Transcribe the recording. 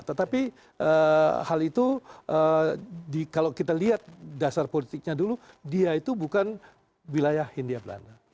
tetapi hal itu kalau kita lihat dasar politiknya dulu dia itu bukan wilayah hindia belanda